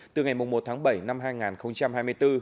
từ ngày một tháng bảy năm hai nghìn hai mươi bốn